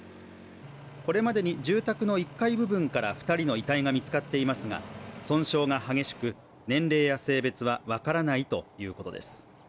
これまでに住宅の１階部分から２人の遺体が見つかっていますが、損傷が激しく、年齢や性別は分からないということです。